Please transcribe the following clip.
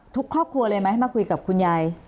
ครอบครัวเลยไหมมาคุยกับคุณยาย